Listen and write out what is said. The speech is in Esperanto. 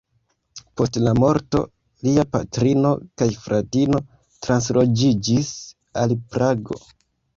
Post la morto, lia patrino kaj fratino transloĝiĝis al Prago.